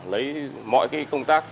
lấy mọi công tác